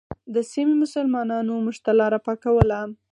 د سیمې مسلمانانو موږ ته لاره پاکوله.